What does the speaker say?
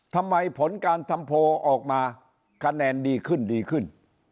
ผลการทำโพลออกมาคะแนนดีขึ้นดีขึ้น